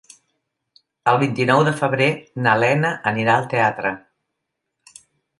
El vint-i-nou de febrer na Lena anirà al teatre.